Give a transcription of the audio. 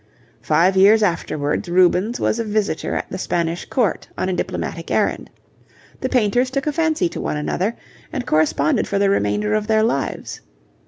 Five years afterwards Rubens was a visitor at the Spanish Court on a diplomatic errand. The painters took a fancy to one another, and corresponded for the remainder of their lives.